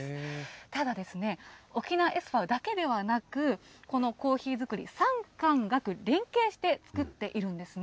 ただ、沖縄ＳＶだけではなく、このコーヒー作り、産官学連携して作っているんですね。